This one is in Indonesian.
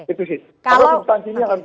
itu sih kalau instansinya harus